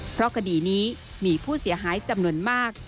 เพราะคดีนี้มีผู้เสียหายจำนวนมาก